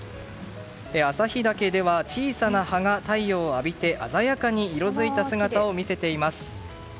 旭岳では小さな葉が太陽を浴びて鮮やかに色づいた姿を見せています。